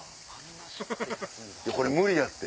これ無理やって。